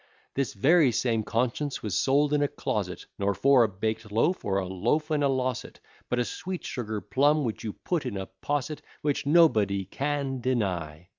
This very same conscience was sold in a closet, Nor for a baked loaf, or a loaf in a losset, But a sweet sugar plum, which you put in a posset. Which nobody can deny.